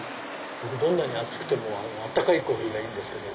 僕どんなに暑くても温かいコーヒーがいいんですけど。